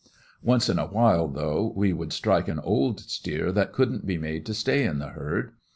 Once in awhile though, we would strike an old steer that couldn't be made to stay in the herd.